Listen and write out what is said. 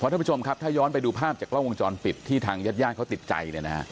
พระเจ้าผู้ชมครับถ้าย้อนไปดูภาพจากกล้องวงจรปิดที่ทางญาติย่านเขาติดใจ